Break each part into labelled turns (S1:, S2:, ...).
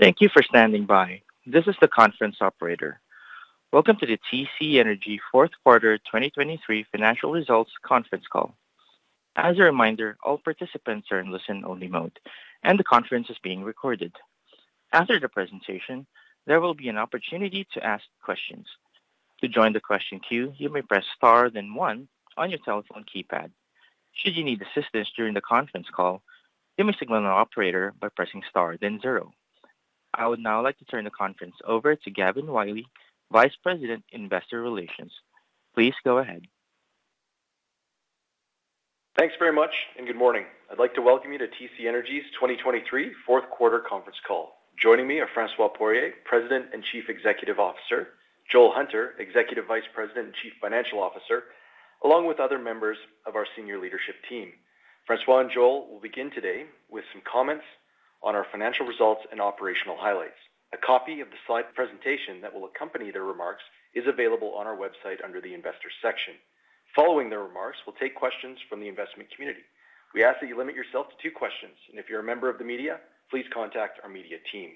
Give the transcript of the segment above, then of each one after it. S1: Thank you for standing by. This is the conference operator. Welcome to the TC Energy 4th Quarter 2023 Financial Results Conference Call. As a reminder, all participants are in listen-only mode, and the conference is being recorded. After the presentation, there will be an opportunity to ask questions. To join the question queue, you may press * then 1 on your telephone keypad. Should you need assistance during the conference call, you may signal the operator by pressing * then 0. I would now like to turn the conference over to Gavin Wylie, Vice President Investor Relations. Please go ahead.
S2: Thanks very much, and good morning. I'd like to welcome you to TC Energy's 2023 fourth quarter conference call. Joining me are François Poirier, President and Chief Executive Officer, Joel Hunter, Executive Vice President and Chief Financial Officer, along with other members of our senior leadership team. François and Joel will begin today with some comments on our financial results and operational highlights. A copy of the slide presentation that will accompany their remarks is available on our website under the Investors section. Following their remarks, we'll take questions from the investment community. We ask that you limit yourself to two questions, and if you're a member of the media, please contact our media team.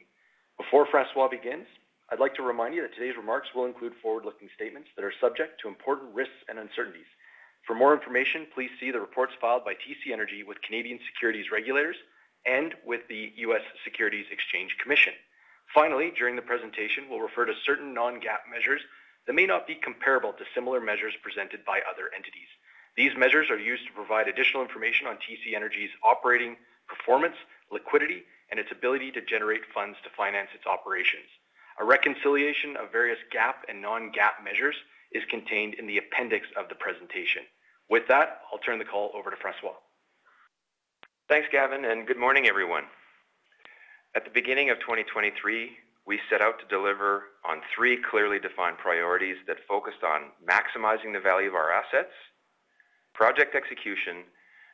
S2: Before François begins, I'd like to remind you that today's remarks will include forward-looking statements that are subject to important risks and uncertainties. For more information, please see the reports filed by TC Energy with Canadian securities regulators and with the U.S. Securities and Exchange Commission. Finally, during the presentation, we'll refer to certain non-GAAP measures that may not be comparable to similar measures presented by other entities. These measures are used to provide additional information on TC Energy's operating performance, liquidity, and its ability to generate funds to finance its operations. A reconciliation of various GAAP and non-GAAP measures is contained in the appendix of the presentation. With that, I'll turn the call over to François.
S3: Thanks, Gavin, and good morning, everyone. At the beginning of 2023, we set out to deliver on 3 clearly defined priorities that focused on maximizing the value of our assets, project execution,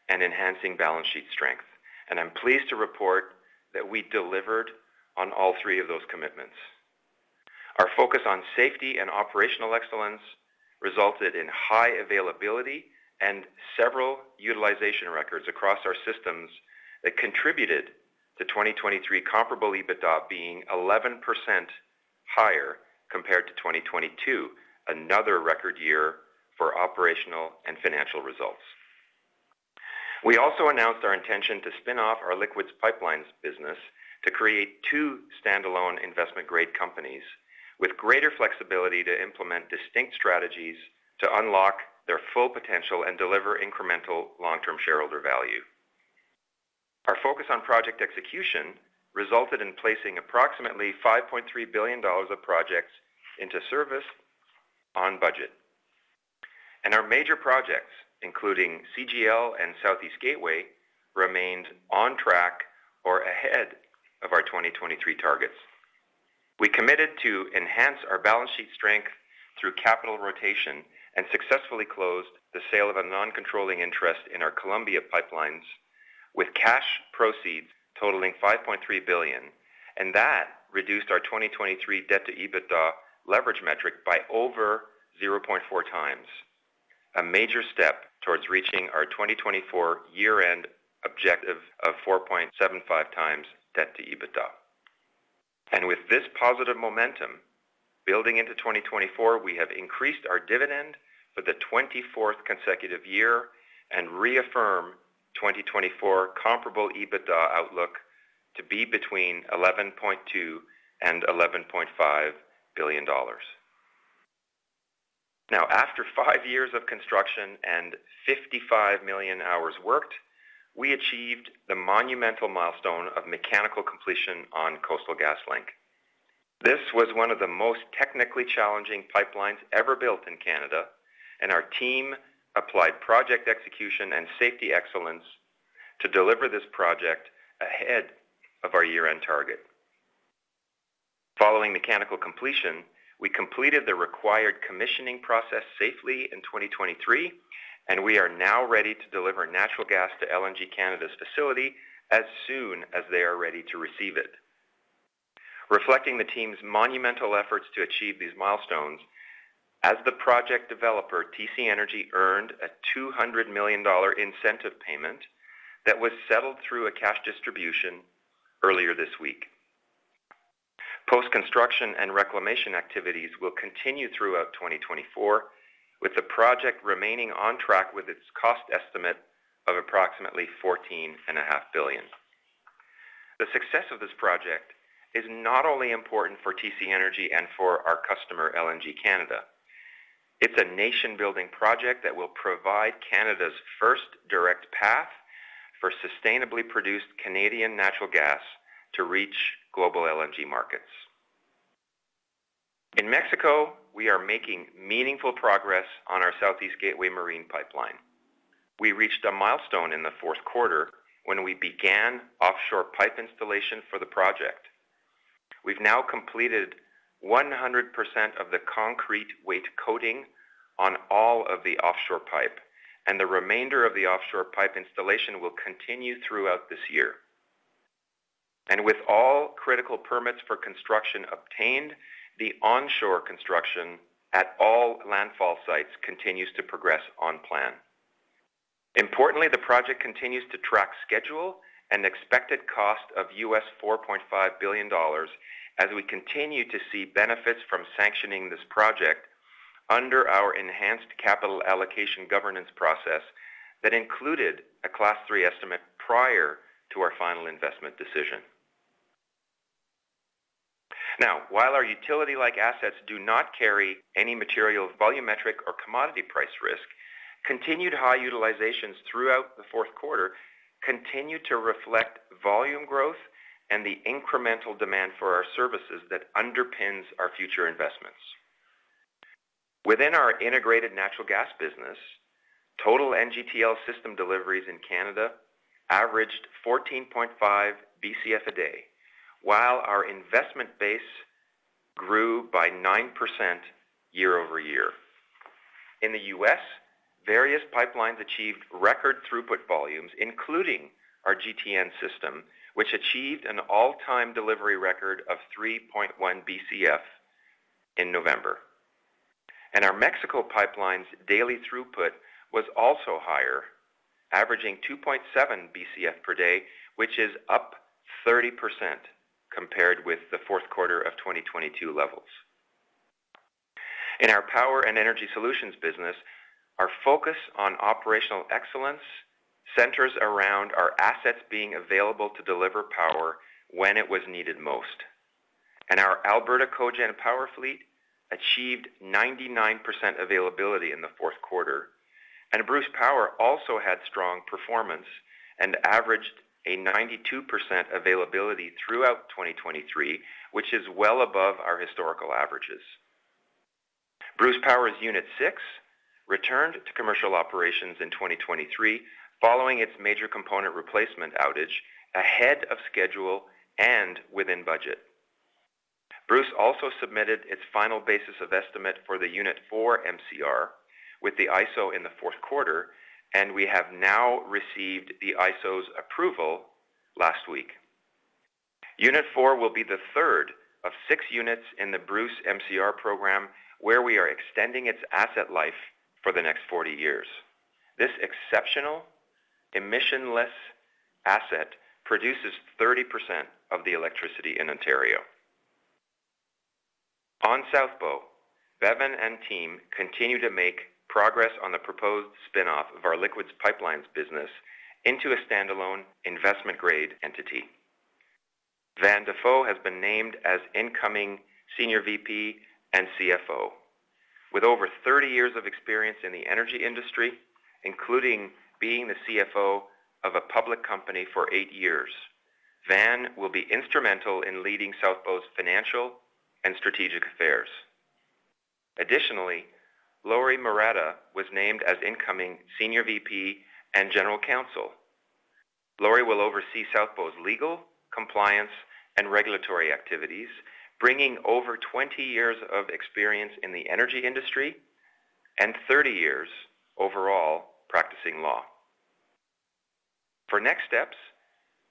S3: and enhancing balance sheet strength, and I'm pleased to report that we delivered on all three of those commitments. Our focus on safety and operational excellence resulted in high availability and several utilization records across our systems that contributed to 2023 Comparable EBITDA being 11% higher compared to 2022, another record year for operational and financial results. We also announced our intention to spin off our liquids pipelines business to create two standalone investment-grade companies with greater flexibility to implement distinct strategies to unlock their full potential and deliver incremental long-term shareholder value. Our focus on project execution resulted in placing approximately 5.3 billion dollars of projects into service on budget, and our major projects, including CGL and Southeast Gateway, remained on track or ahead of our 2023 targets. We committed to enhance our balance sheet strength through capital rotation and successfully closed the sale of a non-controlling interest in our Columbia pipelines with cash proceeds totaling 5.3 billion, and that reduced our 2023 debt-to-EBITDA leverage metric by over 0.4 times, a major step towards reaching our 2024 year-end objective of 4.75 times debt-to-EBITDA. With this positive momentum building into 2024, we have increased our dividend for the 24th consecutive year and reaffirm 2024 comparable EBITDA outlook to be between 11.2 billion and 11.5 billion dollars. Now, after five years of construction and 55 million hours worked, we achieved the monumental milestone of mechanical completion on Coastal GasLink. This was one of the most technically challenging pipelines ever built in Canada, and our team applied project execution and safety excellence to deliver this project ahead of our year-end target. Following mechanical completion, we completed the required commissioning process safely in 2023, and we are now ready to deliver natural gas to LNG Canada's facility as soon as they are ready to receive it. Reflecting the team's monumental efforts to achieve these milestones, as the project developer, TC Energy, earned a 200 million dollar incentive payment that was settled through a cash distribution earlier this week. Post-construction and reclamation activities will continue throughout 2024, with the project remaining on track with its cost estimate of approximately 14.5 billion. The success of this project is not only important for TC Energy and for our customer, LNG Canada. It's a nation-building project that will provide Canada's first direct path for sustainably produced Canadian natural gas to reach global LNG markets. In Mexico, we are making meaningful progress on our Southeast Gateway marine pipeline. We reached a milestone in the 4th quarter when we began offshore pipe installation for the project. We've now completed 100% of the concrete weight coating on all of the offshore pipe, and the remainder of the offshore pipe installation will continue throughout this year. And with all critical permits for construction obtained, the onshore construction at all landfall sites continues to progress on plan. Importantly, the project continues to track schedule and expected cost of $4.5 billion as we continue to see benefits from sanctioning this project under our enhanced capital allocation governance process that included a Class III estimate prior to our final investment decision. Now, while our utility-like assets do not carry any material volumetric or commodity price risk, continued high utilizations throughout the 4th quarter continue to reflect volume growth and the incremental demand for our services that underpins our future investments. Within our integrated natural gas business, total NGTL system deliveries in Canada averaged 14.5 BCF a day, while our investment base grew by 9% year-over-year. In the U.S., various pipelines achieved record throughput volumes, including our GTN system, which achieved an all-time delivery record of 3.1 BCF in November. Our Mexico pipelines' daily throughput was also higher, averaging 2.7 BCF per day, which is up 30% compared with the 4th quarter of 2022 levels. In our power and energy solutions business, our focus on operational excellence centers around our assets being available to deliver power when it was needed most. Our Alberta Cogen Power Fleet achieved 99% availability in the 4th quarter, and Bruce Power also had strong performance and averaged a 92% availability throughout 2023, which is well above our historical averages. Bruce Power's Unit 6 returned to commercial operations in 2023 following its major component replacement outage ahead of schedule and within budget. Bruce also submitted its final basis of estimate for the Unit 4 MCR with the IESO in the 4th quarter, and we have now received the IESO's approval last week. Unit 4 will be the third of six units in the Bruce MCR program where we are extending its asset life for the next 40 years. This exceptional emissionless asset produces 30% of the electricity in Ontario. On South Bow, Bevin and team continue to make progress on the proposed spin-off of our liquids pipelines business into a standalone investment-grade entity. Van Dafou has been named as incoming Senior VP and CFO. With over 30 years of experience in the energy industry, including being the CFO of a public company for 8 years, Van will be instrumental in leading South Bow's financial and strategic affairs. Additionally, Lori Marotta was named as incoming Senior VP and General Counsel. Lori will oversee South Bow's legal, compliance, and regulatory activities, bringing over 20 years of experience in the energy industry and 30 years overall practicing law. For next steps,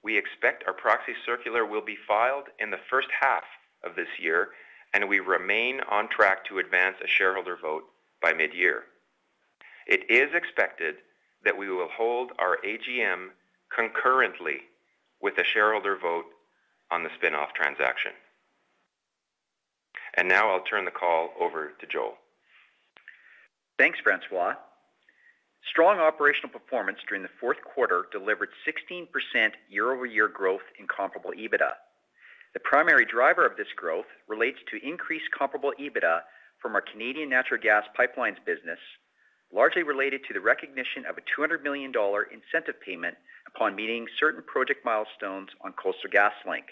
S3: we expect our proxy circular will be filed in the first half of this year, and we remain on track to advance a shareholder vote by mid-year. It is expected that we will hold our AGM concurrently with a shareholder vote on the spin-off transaction. And now I'll turn the call over to Joel.
S4: Thanks, François. Strong operational performance during the 4th quarter delivered 16% year-over-year growth in Comparable EBITDA. The primary driver of this growth relates to increased Comparable EBITDA from our Canadian natural gas pipelines business, largely related to the recognition of a 200 million dollar incentive payment upon meeting certain project milestones on Coastal GasLink.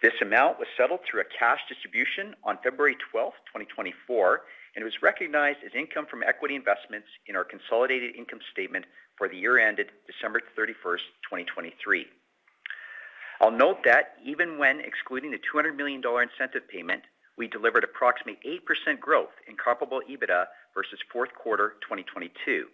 S4: This amount was settled through a cash distribution on February 12, 2024, and it was recognized as income from equity investments in our consolidated income statement for the year-ended December 31, 2023. I'll note that even when excluding the 200 million dollar incentive payment, we delivered approximately 8% growth in Comparable EBITDA versus 4th quarter 2022.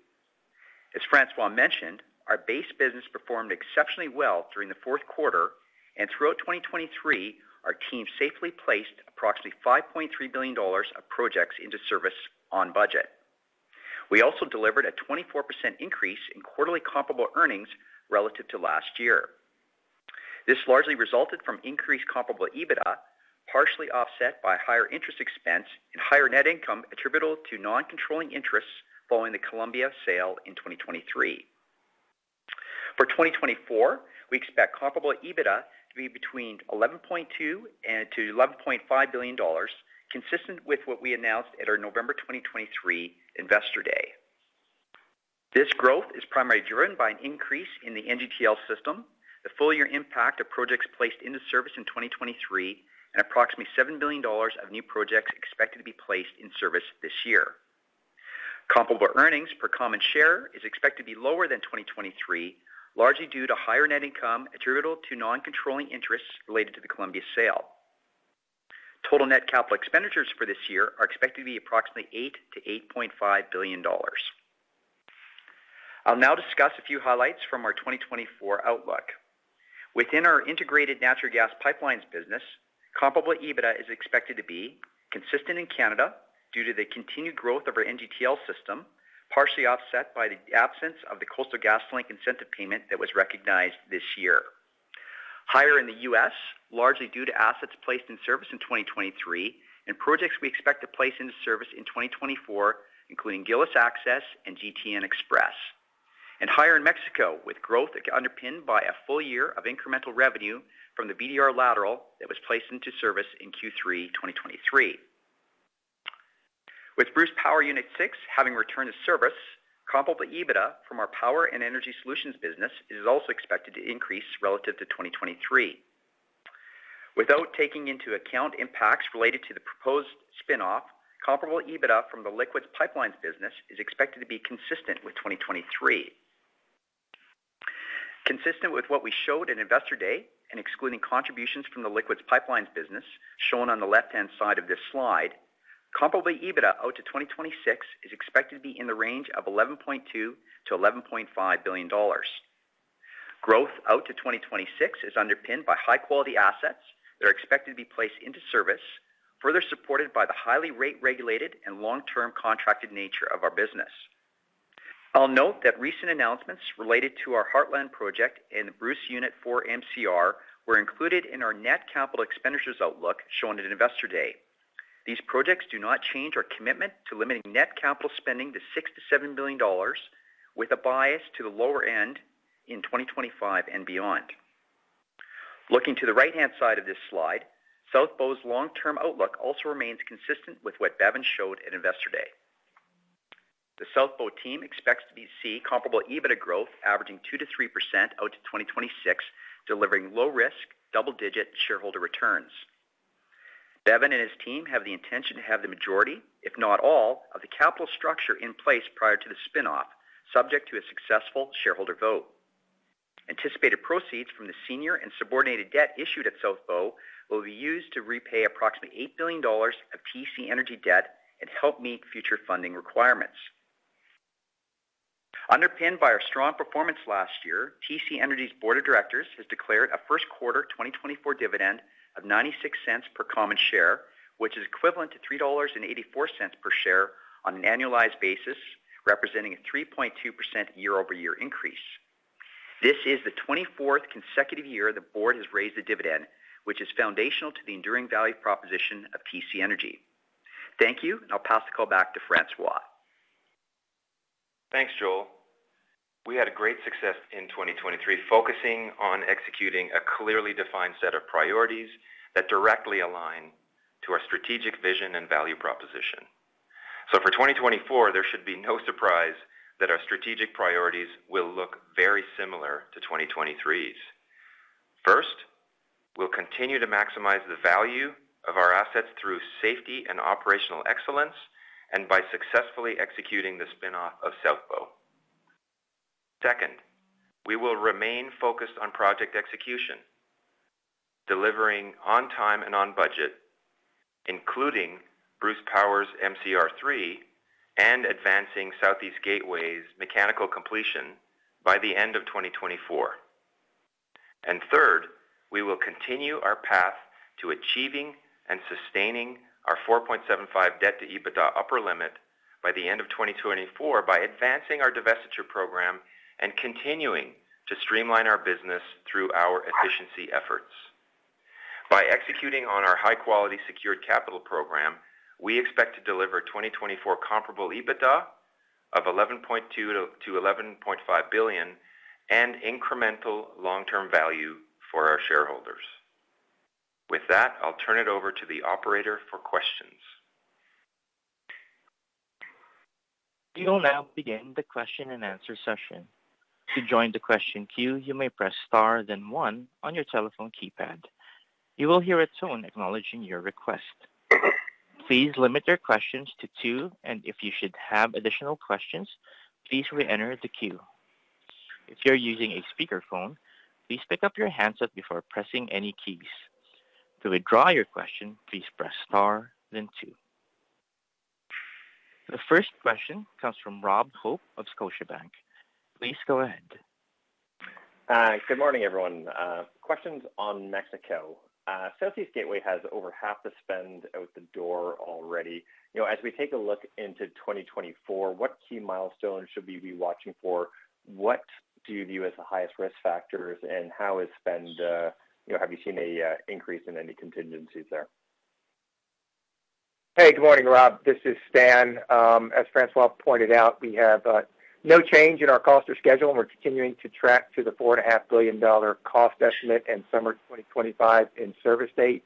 S4: As François mentioned, our base business performed exceptionally well during the 4th quarter, and throughout 2023, our team safely placed approximately 5.3 billion dollars of projects into service on budget. We also delivered a 24% increase in quarterly comparable earnings relative to last year. This largely resulted from increased comparable EBITDA, partially offset by higher interest expense and higher net income attributable to non-controlling interests following the Columbia sale in 2023. For 2024, we expect comparable EBITDA to be between 11.2 billion-11.5 billion dollars, consistent with what we announced at our November 2023 Investor Day. This growth is primarily driven by an increase in the NGTL system, the full-year impact of projects placed into service in 2023, and approximately 7 billion dollars of new projects expected to be placed in service this year. Comparable earnings per common share is expected to be lower than 2023, largely due to higher net income attributable to non-controlling interests related to the Columbia sale. Total net capital expenditures for this year are expected to be approximately 8 billion-8.5 billion dollars. I'll now discuss a few highlights from our 2024 outlook. Within our integrated natural gas pipelines business, comparable EBITDA is expected to be consistent in Canada due to the continued growth of our NGTL system, partially offset by the absence of the Coastal GasLink incentive payment that was recognized this year. Higher in the U.S., largely due to assets placed in service in 2023 and projects we expect to place into service in 2024, including Gillis Access and GTN Express. And higher in Mexico with growth underpinned by a full year of incremental revenue from the VDR Lateral that was placed into service in Q3 2023. With Bruce Power Unit 6 having returned to service, comparable EBITDA from our power and energy solutions business is also expected to increase relative to 2023. Without taking into account impacts related to the proposed spin-off, comparable EBITDA from the liquids pipelines business is expected to be consistent with 2023. Consistent with what we showed in Investor Day and excluding contributions from the liquids pipelines business shown on the left-hand side of this slide, comparable EBITDA out to 2026 is expected to be in the range of 11.2 billion-11.5 billion dollars. Growth out to 2026 is underpinned by high-quality assets that are expected to be placed into service, further supported by the highly rate-regulated and long-term contracted nature of our business. I'll note that recent announcements related to our Heartland project and Bruce Unit 4 MCR were included in our net capital expenditures outlook shown at Investor Day. These projects do not change our commitment to limiting net capital spending to 6 billion-7 billion dollars, with a bias to the lower end in 2025 and beyond. Looking to the right-hand side of this slide, South Bow's long-term outlook also remains consistent with what Bevin showed at Investor Day. The South Bow team expects to see comparable EBITDA growth averaging 2%-3% out to 2026, delivering low-risk, double-digit shareholder returns. Bevin and his team have the intention to have the majority, if not all, of the capital structure in place prior to the spin-off, subject to a successful shareholder vote. Anticipated proceeds from the senior and subordinated debt issued at South Bow will be used to repay approximately 8 billion dollars of TC Energy debt and help meet future funding requirements. Underpinned by our strong performance last year, TC Energy's board of directors has declared a first quarter 2024 dividend of 0.96 per common share, which is equivalent to 3.84 dollars per share on an annualized basis, representing a 3.2% year-over-year increase. This is the 24th consecutive year the board has raised a dividend, which is foundational to the enduring value proposition of TC Energy. Thank you, and I'll pass the call back to François.
S3: Thanks, Joel. We had a great success in 2023 focusing on executing a clearly defined set of priorities that directly align to our strategic vision and value proposition. So for 2024, there should be no surprise that our strategic priorities will look very similar to 2023's. First, we'll continue to maximize the value of our assets through safety and operational excellence and by successfully executing the spin-off of South Bow. Second, we will remain focused on project execution, delivering on time and on budget, including Bruce Power's MCR 3 and advancing Southeast Gateway's mechanical completion by the end of 2024. And third, we will continue our path to achieving and sustaining our 4.75 debt to EBITDA upper limit by the end of 2024 by advancing our divestiture program and continuing to streamline our business through our efficiency efforts. By executing on our high-quality secured capital program, we expect to deliver 2024 comparable EBITDA of 11.2 billion-11.5 billion and incremental long-term value for our shareholders. With that, I'll turn it over to the operator for questions.
S1: You will now begin the question and answer session. To join the question queue, you may press * then 1 on your telephone keypad. You will hear a tone acknowledging your request. Please limit your questions to two, and if you should have additional questions, please re-enter the queue. If you're using a speakerphone, please pick up your handset before pressing any keys. To withdraw your question, please press * then 2. The first question comes from Rob Hope of Scotiabank. Please go ahead.
S5: Good morning, everyone. Questions on Mexico. Southeast Gateway has over half the spend out the door already. As we take a look into 2024, what key milestones should we be watching for? What do you view as the highest risk factors, and how is spend? Have you seen an increase in any contingencies there?
S6: Hey, good morning, Rob. This is Stan. As François pointed out, we have no change in our cost or schedule, and we're continuing to track to the $4.5 billion cost estimate in summer 2025 in-service date.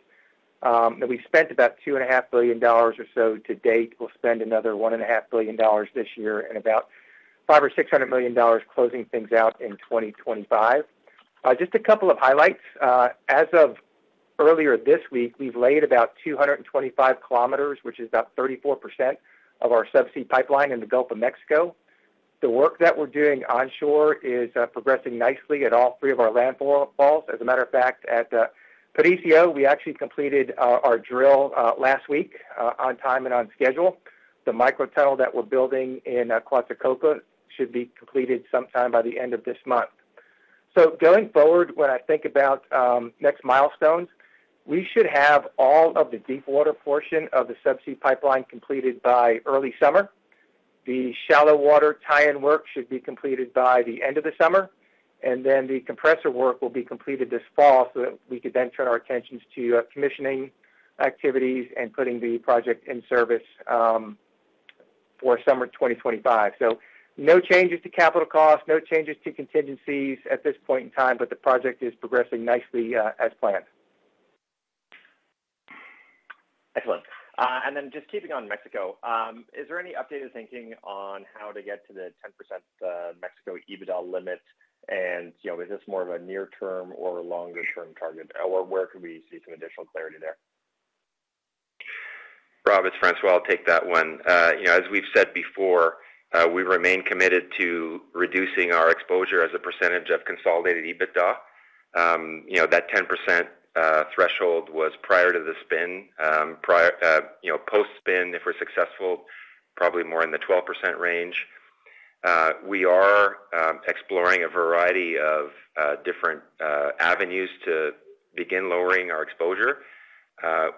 S6: We spent about $2.5 billion or so to date. We'll spend another $1.5 billion this year and about $500-$600 million closing things out in 2025. Just a couple of highlights. As of earlier this week, we've laid about 225 kilometers, which is about 34% of our subsea pipeline in the Gulf of Mexico. The work that we're doing onshore is progressing nicely at all three of our landfalls. As a matter of fact, at Paraíso, we actually completed our drill last week on time and on schedule. The micro tunnel that we're building in Coatzacoalcos should be completed sometime by the end of this month. So going forward, when I think about next milestones, we should have all of the deepwater portion of the subsea pipeline completed by early summer. The shallow water tie-in work should be completed by the end of the summer, and then the compressor work will be completed this fall so that we could then turn our attentions to commissioning activities and putting the project in service for summer 2025. So no changes to capital costs, no changes to contingencies at this point in time, but the project is progressing nicely as planned.
S5: Excellent. And then just keeping on Mexico, is there any updated thinking on how to get to the 10% Mexico EBITDA limit, and is this more of a near-term or a longer-term target, or where could we see some additional clarity there?
S7: Rob, as François will take that one. As we've said before, we remain committed to reducing our exposure as a percentage of consolidated EBITDA. That 10% threshold was prior to the spin. Post-spin, if we're successful, probably more in the 12% range. We are exploring a variety of different avenues to begin lowering our exposure.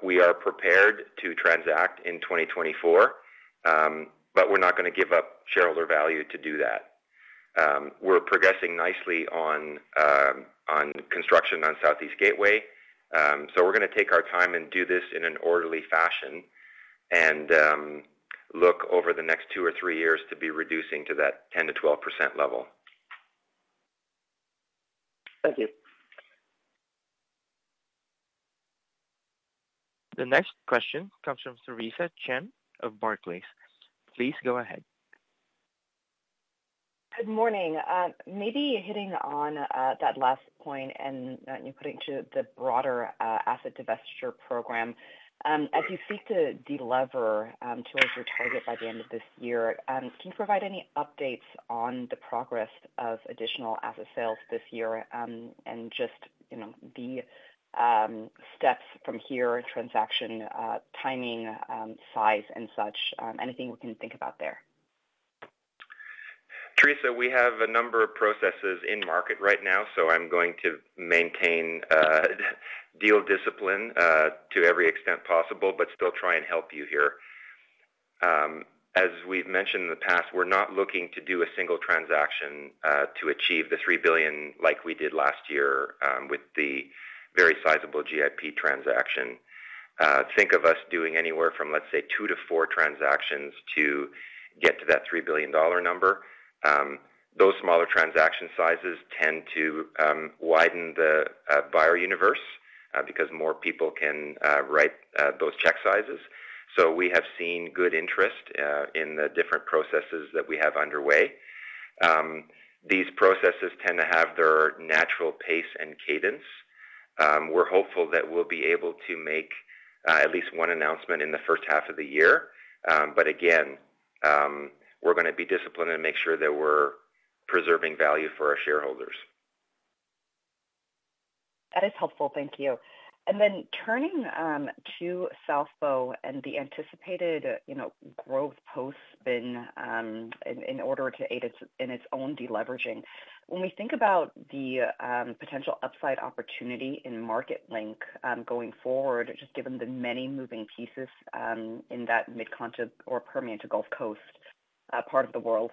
S7: We are prepared to transact in 2024, but we're not going to give up shareholder value to do that. We're progressing nicely on construction on Southeast Gateway, so we're going to take our time and do this in an orderly fashion and look over the next two or three years to be reducing to that 10%-12% level.
S5: Thank you.
S1: The next question comes from Theresa Chen of Barclays. Please go ahead.
S8: Good morning. Maybe hitting on that last point and putting to the broader asset divestiture program, as you seek to deliver towards your target by the end of this year, can you provide any updates on the progress of additional asset sales this year and just the steps from here, transaction timing, size, and such? Anything we can think about there.
S3: Theresa, we have a number of processes in market right now, so I'm going to maintain deal discipline to every extent possible but still try and help you here. As we've mentioned in the past, we're not looking to do a single transaction to achieve the $3 billion like we did last year with the very sizable GIP transaction. Think of us doing anywhere from, let's say, two to four transactions to get to that $3 billion number. Those smaller transaction sizes tend to widen the buyer universe because more people can write those check sizes. So we have seen good interest in the different processes that we have underway. These processes tend to have their natural pace and cadence. We're hopeful that we'll be able to make at least one announcement in the first half of the year. But again, we're going to be disciplined and make sure that we're preserving value for our shareholders.
S8: That is helpful. Thank you. And then turning to South Bow and the anticipated growth post-spin in order to aid in its own deleveraging, when we think about the potential upside opportunity in MarketLink going forward, just given the many moving pieces in that mid-continent or Permian to Gulf Coast part of the world.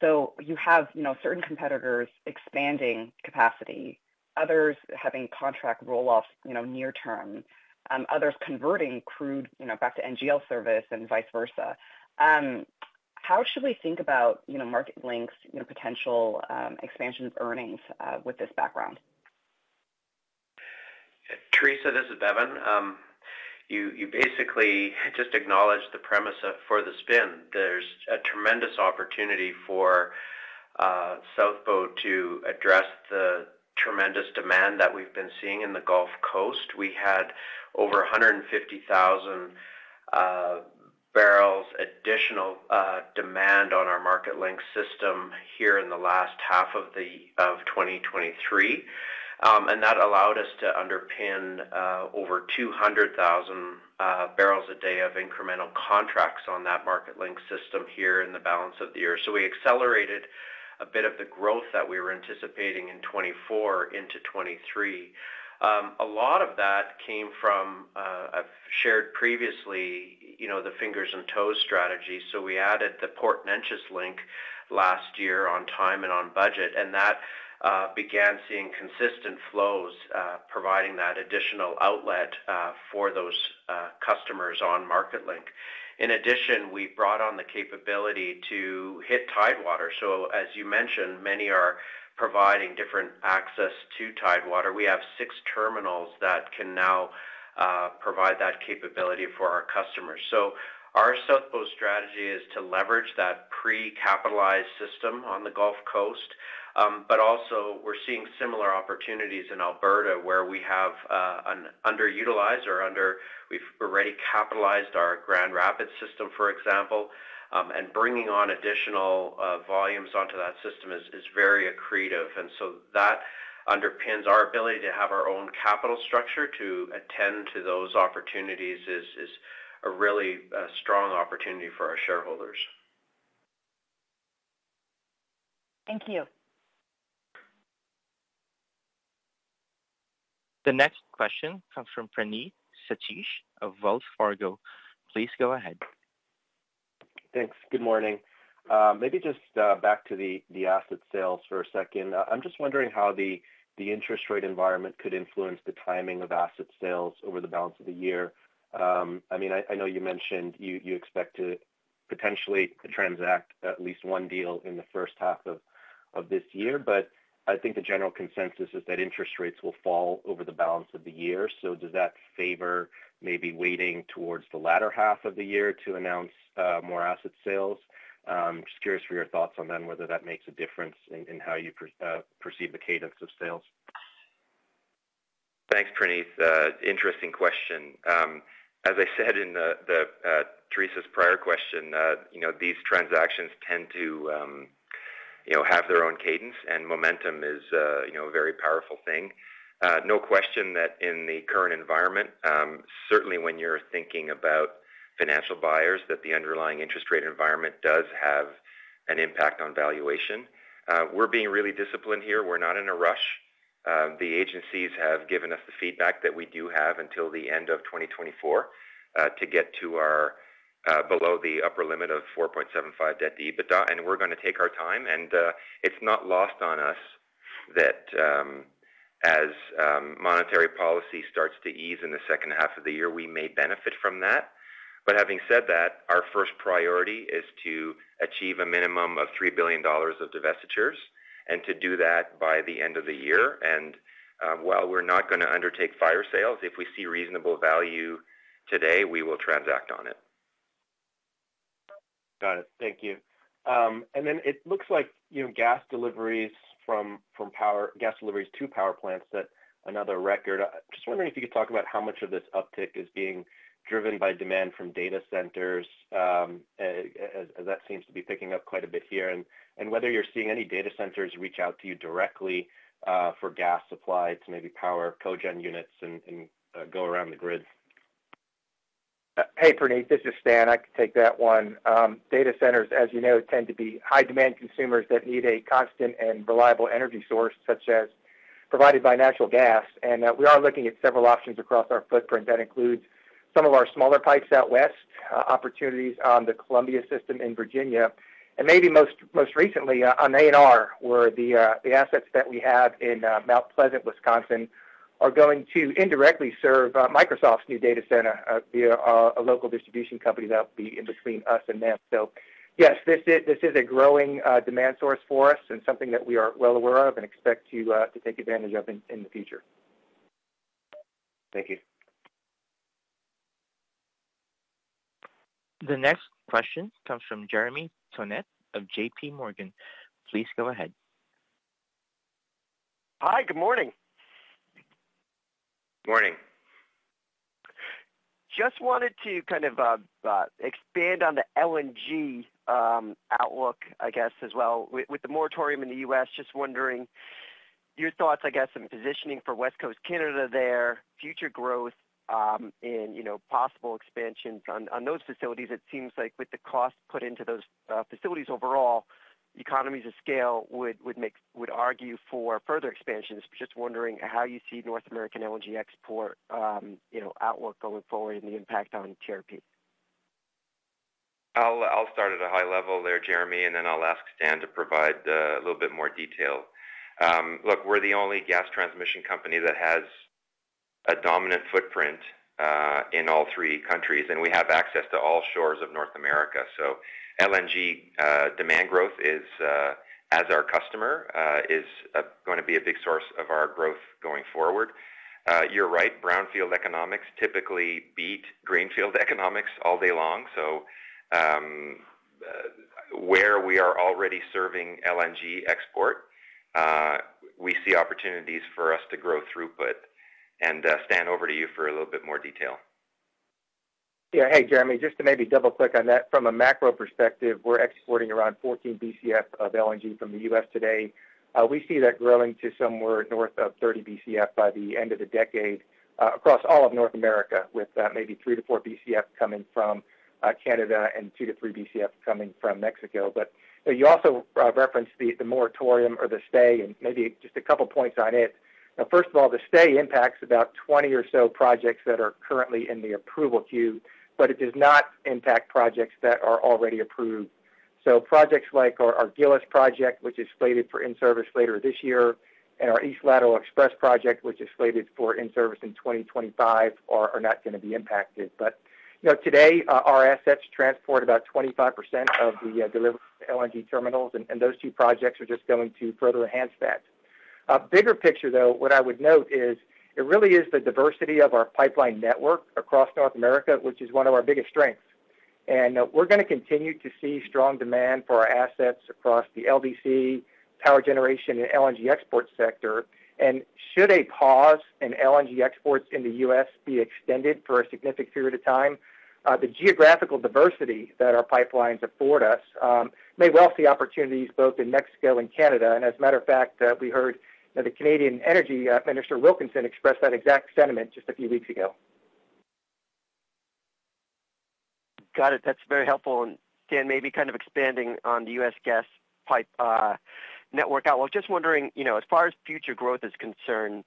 S8: So you have certain competitors expanding capacity, others having contract roll-offs near-term, others converting crude back to NGL service and vice versa. How should we think about MarketLink's potential expansion of earnings with this background?
S7: Theresa, this is Bevin. You basically just acknowledged the premise for the spin. There's a tremendous opportunity for South Bow to address the tremendous demand that we've been seeing in the Gulf Coast. We had over 150,000 barrels additional demand on our MarketLink system here in the last half of 2023, and that allowed us to underpin over 200,000 barrels a day of incremental contracts on that MarketLink system here in the balance of the year. So we accelerated a bit of the growth that we were anticipating in 2024 into 2023. A lot of that came from, I've shared previously, the fingers and toes strategy. So we added the Port Neches Link last year on time and on budget, and that began seeing consistent flows providing that additional outlet for those customers on MarketLink. In addition, we brought on the capability to hit tidewater. As you mentioned, many are providing different access to tidewater. We have six terminals that can now provide that capability for our customers. Our South Bow strategy is to leverage that pre-capitalized system on the Gulf Coast, but also we're seeing similar opportunities in Alberta where we have an underutilized—we've already capitalized our Grand Rapids system, for example, and bringing on additional volumes onto that system is very accretive. And so that underpins our ability to have our own capital structure to attend to those opportunities, which is a really strong opportunity for our shareholders.
S8: Thank you.
S1: The next question comes from Praneeth Satish of Wells Fargo. Please go ahead.
S9: Thanks. Good morning. Maybe just back to the asset sales for a second. I'm just wondering how the interest rate environment could influence the timing of asset sales over the balance of the year. I mean, I know you mentioned you expect to potentially transact at least one deal in the first half of this year, but I think the general consensus is that interest rates will fall over the balance of the year. So does that favor maybe waiting towards the latter half of the year to announce more asset sales? Just curious for your thoughts on then whether that makes a difference in how you perceive the cadence of sales.
S3: Thanks, Praneeth. Interesting question. As I said in Theresa's prior question, these transactions tend to have their own cadence, and momentum is a very powerful thing. No question that in the current environment, certainly when you're thinking about financial buyers, that the underlying interest rate environment does have an impact on valuation. We're being really disciplined here. We're not in a rush. The agencies have given us the feedback that we do have until the end of 2024 to get to below the upper limit of 4.75 debt to EBITDA, and we're going to take our time. And it's not lost on us that as monetary policy starts to ease in the second half of the year, we may benefit from that. But having said that, our first priority is to achieve a minimum of $3 billion of divestitures and to do that by the end of the year. While we're not going to undertake fire sales, if we see reasonable value today, we will transact on it.
S9: Got it. Thank you. And then it looks like gas deliveries from power gas deliveries to power plants, another record. I'm just wondering if you could talk about how much of this uptick is being driven by demand from data centers, as that seems to be picking up quite a bit here, and whether you're seeing any data centers reach out to you directly for gas supply to maybe power Cogen units and go around the grid.
S6: Hey, Praneeth. This is Stan. I can take that one. Data centers, as you know, tend to be high-demand consumers that need a constant and reliable energy source such as provided by natural gas. And we are looking at several options across our footprint. That includes some of our smaller pipes out west, opportunities on the Columbia system in Virginia, and maybe most recently on A&R where the assets that we have in Mount Pleasant, Wisconsin, are going to indirectly serve Microsoft's new data center via a local distribution company that'll be in between us and them. So yes, this is a growing demand source for us and something that we are well aware of and expect to take advantage of in the future.
S9: Thank you.
S1: The next question comes from Jeremy Tonet of JPMorgan. Please go ahead.
S10: Hi. Good morning.
S3: Good morning.
S10: Just wanted to kind of expand on the LNG outlook, I guess, as well. With the moratorium in the U.S., just wondering your thoughts, I guess, on positioning for West Coast Canada there, future growth, and possible expansions on those facilities. It seems like with the cost put into those facilities overall, economies of scale would argue for further expansions. Just wondering how you see North American LNG export outlook going forward and the impact on TRP.
S3: I'll start at a high level there, Jeremy, and then I'll ask Stan to provide a little bit more detail. Look, we're the only gas transmission company that has a dominant footprint in all three countries, and we have access to all shores of North America. So LNG demand growth, as our customer, is going to be a big source of our growth going forward. You're right. Brownfield economics typically beat greenfield economics all day long. So where we are already serving LNG export, we see opportunities for us to grow throughput. And Stan, over to you for a little bit more detail.
S6: Yeah. Hey, Jeremy. Just to maybe double-click on that, from a macro perspective, we're exporting around 14 BCF of LNG from the U.S. today. We see that growing to somewhere north of 30 BCF by the end of the decade across all of North America with maybe 3-4 BCF coming from Canada and 2-3 BCF coming from Mexico. But you also referenced the moratorium or the stay, and maybe just a couple of points on it. First of all, the stay impacts about 20 or so projects that are currently in the approval queue, but it does not impact projects that are already approved. So projects like our Gillis project, which is slated for in-service later this year, and our East Lateral Express project, which is slated for in-service in 2025, are not going to be impacted. But today, our assets transport about 25% of the delivery to LNG terminals, and those two projects are just going to further enhance that. Bigger picture, though, what I would note is it really is the diversity of our pipeline network across North America, which is one of our biggest strengths. And we're going to continue to see strong demand for our assets across the LDC, power generation, and LNG export sector. And should a pause in LNG exports in the U.S. be extended for a significant period of time, the geographical diversity that our pipelines afford us may well see opportunities both in Mexico and Canada. And as a matter of fact, we heard the Canadian Energy Minister, Wilkinson, express that exact sentiment just a few weeks ago.
S10: Got it. That's very helpful. And Stan, maybe kind of expanding on the U.S. gas pipe network outlook. Just wondering, as far as future growth is concerned,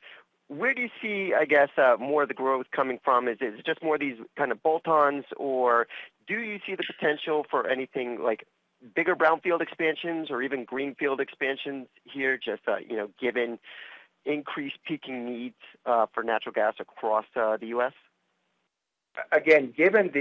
S10: where do you see, I guess, more of the growth coming from? Is it just more of these kind of bolt-ons, or do you see the potential for anything like bigger brownfield expansions or even greenfield expansions here, just given increased peaking needs for natural gas across the U.S.?
S6: Again, given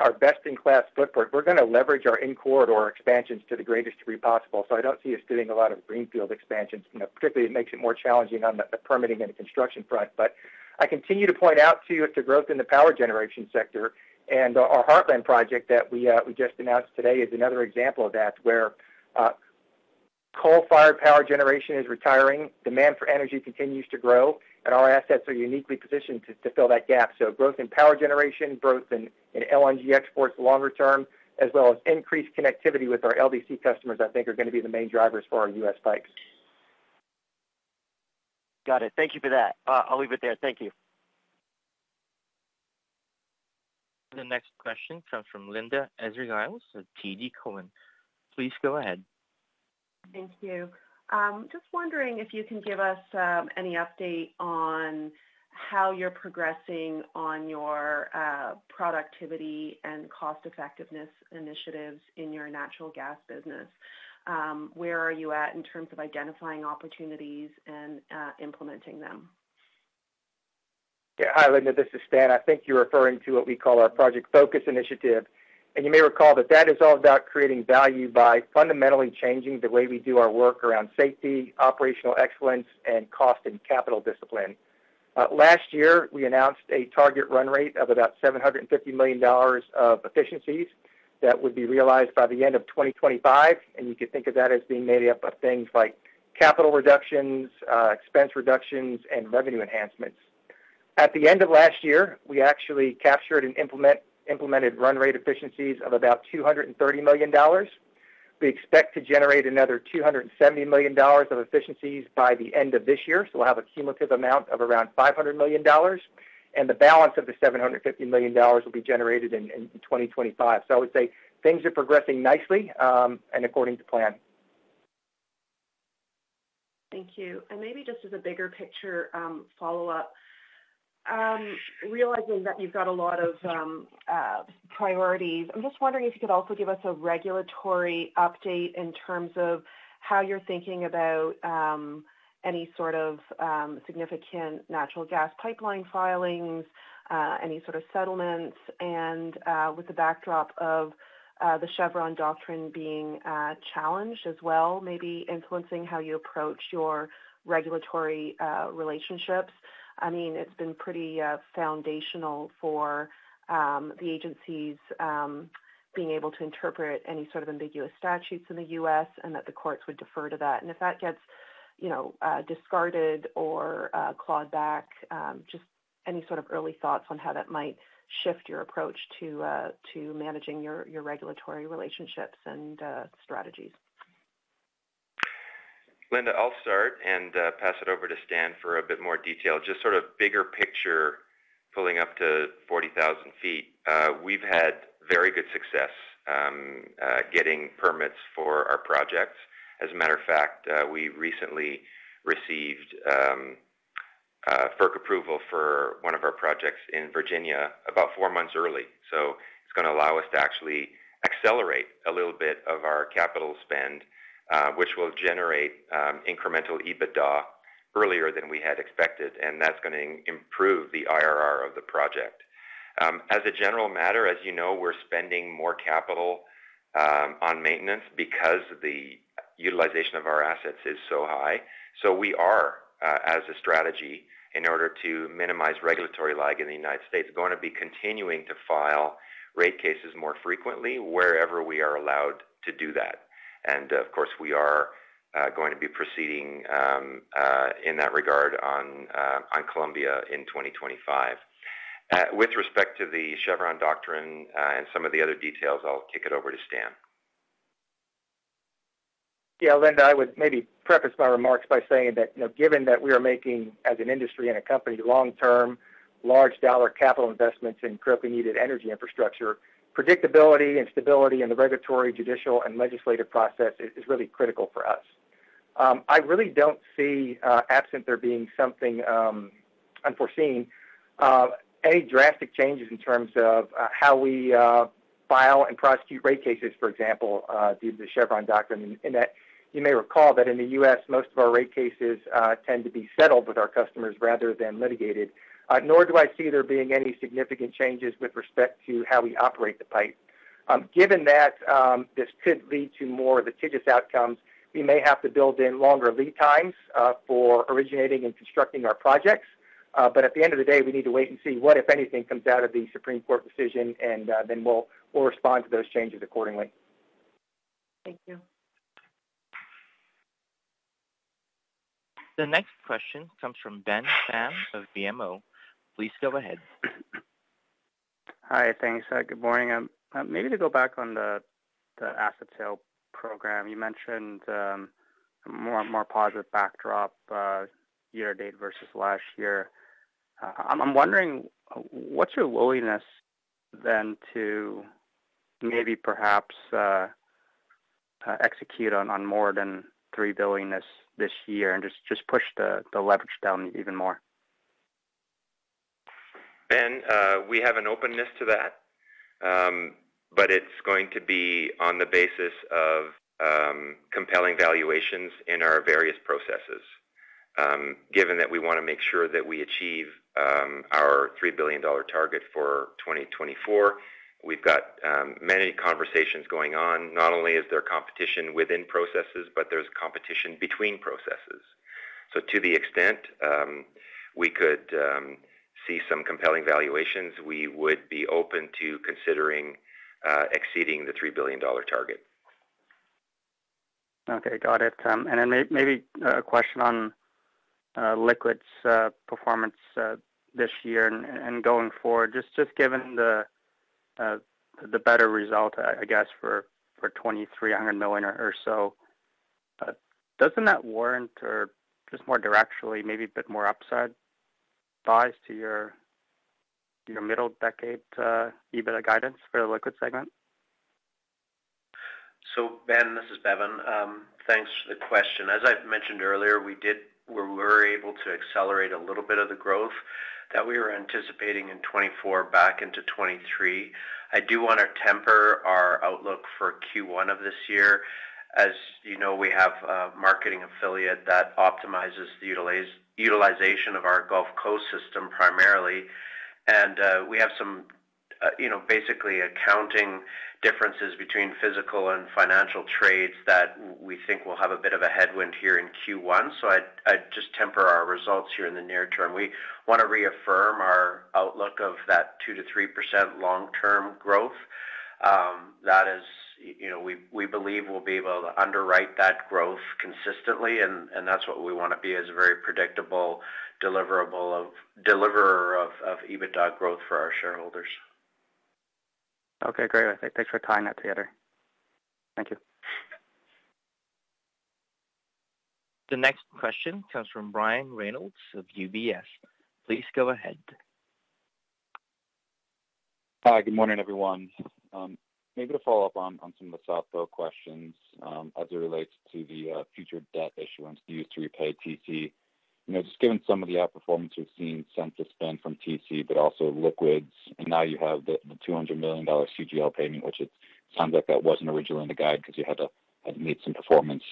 S6: our best-in-class footprint, we're going to leverage our in-corridor expansions to the greatest degree possible. So I don't see us doing a lot of greenfield expansions. Particularly, it makes it more challenging on the permitting and the construction front. But I continue to point out to you the growth in the power generation sector. And our Heartland project that we just announced today is another example of that where coal-fired power generation is retiring, demand for energy continues to grow, and our assets are uniquely positioned to fill that gap. So growth in power generation, growth in LNG exports longer term, as well as increased connectivity with our LDC customers, I think, are going to be the main drivers for our U.S. pipes. Got it. Thank you for that. I'll leave it there. Thank you.
S1: The next question comes from Linda Ezergailis of TD Cowen. Please go ahead.
S11: Thank you. Just wondering if you can give us any update on how you're progressing on your productivity and cost-effectiveness initiatives in your natural gas business. Where are you at in terms of identifying opportunities and implementing them?
S6: Yeah. Hi, Linda. This is Stan. I think you're referring to what we call our Project Focus. You may recall that that is all about creating value by fundamentally changing the way we do our work around safety, operational excellence, and cost and capital discipline. Last year, we announced a target run rate of about 750 million dollars of efficiencies that would be realized by the end of 2025. You could think of that as being made up of things like capital reductions, expense reductions, and revenue enhancements. At the end of last year, we actually captured and implemented run rate efficiencies of about 230 million dollars. We expect to generate another 270 million dollars of efficiencies by the end of this year. We'll have a cumulative amount of around 500 million dollars, and the balance of the 750 million dollars will be generated in 2025. I would say things are progressing nicely and according to plan.
S11: Thank you. And maybe just as a bigger picture follow-up, realizing that you've got a lot of priorities, I'm just wondering if you could also give us a regulatory update in terms of how you're thinking about any sort of significant natural gas pipeline filings, any sort of settlements, and with the backdrop of the Chevron Doctrine being challenged as well, maybe influencing how you approach your regulatory relationships. I mean, it's been pretty foundational for the agencies being able to interpret any sort of ambiguous statutes in the U.S. and that the courts would defer to that. And if that gets discarded or clawed back, just any sort of early thoughts on how that might shift your approach to managing your regulatory relationships and strategies.
S3: Linda, I'll start and pass it over to Stan for a bit more detail. Just sort of bigger picture pulling up to 40,000 feet, we've had very good success getting permits for our projects. As a matter of fact, we recently received FERC approval for one of our projects in Virginia about four months early. So it's going to allow us to actually accelerate a little bit of our capital spend, which will generate incremental EBITDA earlier than we had expected, and that's going to improve the IRR of the project. As a general matter, as you know, we're spending more capital on maintenance because the utilization of our assets is so high. So we are, as a strategy in order to minimize regulatory lag in the United States, going to be continuing to file rate cases more frequently wherever we are allowed to do that. Of course, we are going to be proceeding in that regard on Columbia in 2025. With respect to the Chevron Doctrine and some of the other details, I'll kick it over to Stan.
S6: Yeah. Linda, I would maybe preface my remarks by saying that given that we are making, as an industry and a company, long-term, large-dollar capital investments in critically needed energy infrastructure, predictability and stability in the regulatory, judicial, and legislative process is really critical for us. I really don't see, absent there being something unforeseen, any drastic changes in terms of how we file and prosecute rate cases, for example, due to the Chevron Doctrine. You may recall that in the U.S., most of our rate cases tend to be settled with our customers rather than litigated, nor do I see there being any significant changes with respect to how we operate the pipe. Given that this could lead to more litigious outcomes, we may have to build in longer lead times for originating and constructing our projects. At the end of the day, we need to wait and see what, if anything, comes out of the Supreme Court decision, and then we'll respond to those changes accordingly.
S11: Thank you.
S1: The next question comes from Ben Pham of BMO. Please go ahead.
S12: Hi. Thanks. Good morning. Maybe to go back on the asset sale program, you mentioned a more positive backdrop year-to-date versus last year. I'm wondering, what's your willingness then to maybe, perhaps, execute on more than 3 billion this year and just push the leverage down even more?
S3: Ben, we have an openness to that, but it's going to be on the basis of compelling valuations in our various processes. Given that we want to make sure that we achieve our 3 billion dollar target for 2024, we've got many conversations going on. Not only is there competition within processes, but there's competition between processes. So to the extent we could see some compelling valuations, we would be open to considering exceeding the 3 billion dollar target.
S12: Okay. Got it. Then maybe a question on liquids performance this year and going forward. Just given the better result, I guess, for 2,300 million or so, doesn't that warrant, or just more directly, maybe a bit more upside bias to your mid-decade EBITDA guidance for the liquids segment?
S7: So Ben, this is Bevin. Thanks for the question. As I mentioned earlier, we were able to accelerate a little bit of the growth that we were anticipating in 2024 back into 2023. I do want to temper our outlook for Q1 of this year. As you know, we have a marketing affiliate that optimizes the utilization of our Gulf Coast system primarily. And we have some basically accounting differences between physical and financial trades that we think will have a bit of a headwind here in Q1. So I'd just temper our results here in the near term. We want to reaffirm our outlook of that 2%-3% long-term growth. We believe we'll be able to underwrite that growth consistently, and that's what we want to be as a very predictable deliverer of EBITDA growth for our shareholders.
S12: Okay. Great. Thanks for tying that together. Thank you.
S1: The next question comes from Brian Reynolds of UBS. Please go ahead.
S13: Good morning, everyone. Maybe to follow up on some of the South Bow questions as it relates to the future debt issuance used to repay TC. Just given some of the outperformance we've seen, capex spend from TC, but also liquids, and now you have the $200 million CGL payment, which it sounds like that wasn't originally in the guide because you had to meet some performance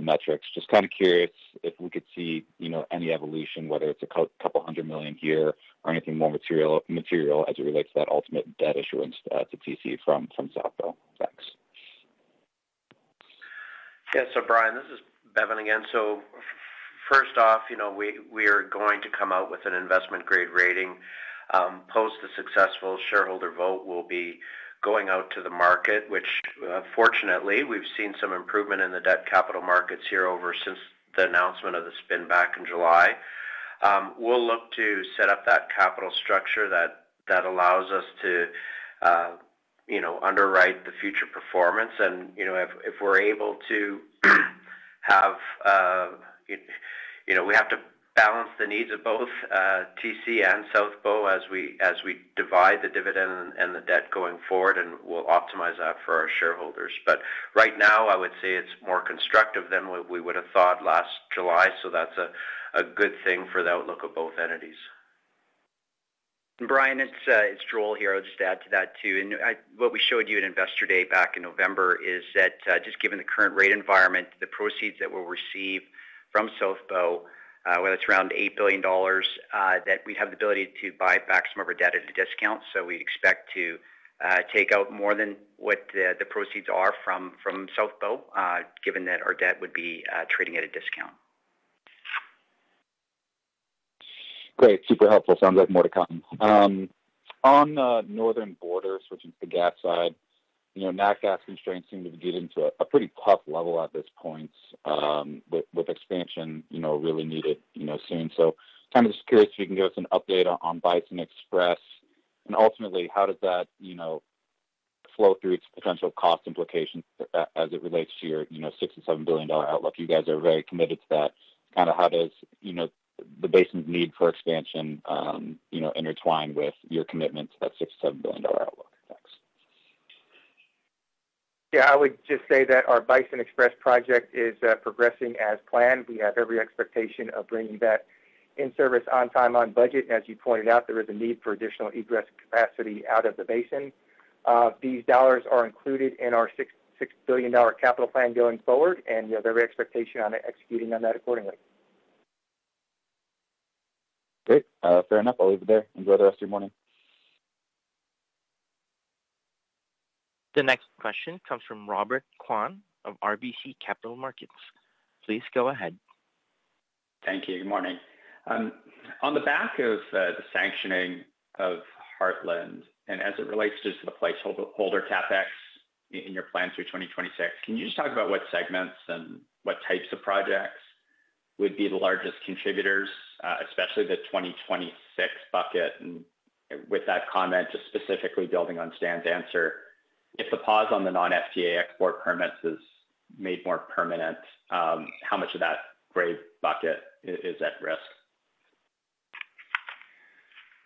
S13: metrics. Just kind of curious if we could see any evolution, whether it's a couple hundred million here or anything more material as it relates to that ultimate debt issuance to TC from South Bow. Thanks.
S7: Yeah. So Brian, this is Bevin again. So first off, we are going to come out with an investment-grade rating. Post the successful shareholder vote, we'll be going out to the market, which fortunately, we've seen some improvement in the debt capital markets here ever since the announcement of the spin back in July. We'll look to set up that capital structure that allows us to underwrite the future performance. And we have to balance the needs of both TC and South Bow as we divide the dividend and the debt going forward, and we'll optimize that for our shareholders. But right now, I would say it's more constructive than we would have thought last July. So that's a good thing for the outlook of both entities.
S4: Brian, it's Joel here. I'll just add to that too. What we showed you at Investor Day back in November is that just given the current rate environment, the proceeds that we'll receive from South Bow, whether it's around $8 billion, that we'd have the ability to buy back some of our debt at a discount. So we'd expect to take out more than what the proceeds are from South Bow, given that our debt would be trading at a discount.
S13: Great. Super helpful. Sounds like more to come. On the Northern Border, switching to the gas side, NAC gas constraints seem to be getting to a pretty tough level at this point with expansion really needed soon. So kind of just curious if you can give us an update on Bison Express. And ultimately, how does that flow through its potential cost implications as it relates to your 6 billion-7 billion dollar outlook? You guys are very committed to that. Kind of how does the basin's need for expansion intertwine with your commitment to that 6 billion-7 billion dollar outlook? Thanks.
S6: Yeah. I would just say that our Bison Express project is progressing as planned. We have every expectation of bringing that in service on time, on budget. And as you pointed out, there is a need for additional egress capacity out of the basin. These dollars are included in our $6 billion capital plan going forward, and we have every expectation on executing on that accordingly.
S13: Great. Fair enough. I'll leave it there. Enjoy the rest of your morning.
S1: The next question comes from Robert Kwan of RBC Capital Markets. Please go ahead.
S14: Thank you. Good morning. On the back of the sanctioning of Heartland, and as it relates to the placeholder CapEx in your plan through 2026, can you just talk about what segments and what types of projects would be the largest contributors, especially the 2026 bucket? And with that comment, just specifically building on Stan's answer, if the pause on the non-FTA export permits is made more permanent, how much of that gray bucket is at risk?